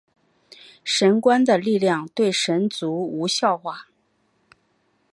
神官的力量对神族无效化。